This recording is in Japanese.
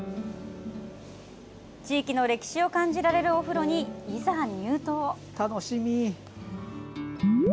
地域の歴史を感じられるお風呂にいざ、入湯。